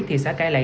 thị xã cái lệ